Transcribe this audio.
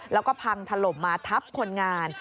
แล้วก็พังถล่มมาทับคนงาน